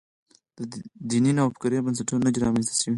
دیني نوفکرۍ بنسټونه نه دي رامنځته شوي.